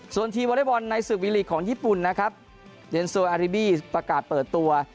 ส่วนทีมวอเล็กบอลในศึกวีลีกของญี่ปุ่นนะครับเดนโซอาริบี้ประกาศเปิดตัว